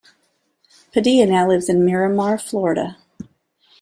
Padilla now lives in Miramar, Florida.